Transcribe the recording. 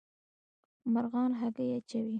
مرغان هګۍ اچوي